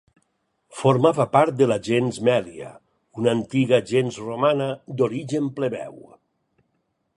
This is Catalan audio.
Formava part de la gens Mèlia, una antiga gens romana d'origen plebeu.